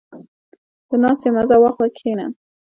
• د ناستې مزه واخله، کښېنه.